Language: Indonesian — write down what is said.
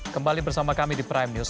kembali bersama kami di prime news